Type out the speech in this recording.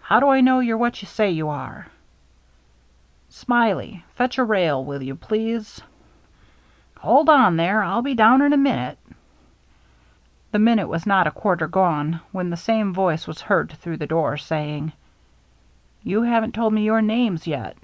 How do I know you're what you say you are ?"" Smiley, fetch a rail, will you please ?"" Hold on there ! I'll be down in a minute." The minute was not a quarter gone when the same voice was heard through the door, saying, " You haven't told me your names yet."